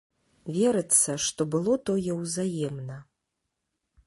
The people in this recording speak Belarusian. Верыцца, што было тое ўзаемна.